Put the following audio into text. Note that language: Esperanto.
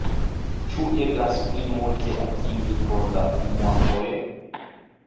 Ĉu eblas pli multe atingi por la unua fojo?